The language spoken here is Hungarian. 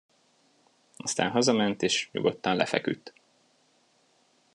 Aztán hazament, és nyugodtan lefeküdt.